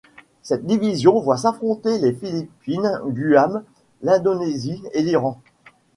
Cette division voit s'affronter les Philippines, Guam, l'Indonésie et l'Iran.